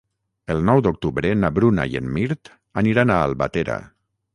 El nou d'octubre na Bruna i en Mirt aniran a Albatera.